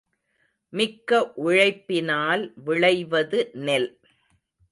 மிக்க உழைப்பினால் விளைவது நெல்.